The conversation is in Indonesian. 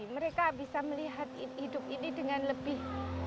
mereka bisa melihat hidup ini dengan lebih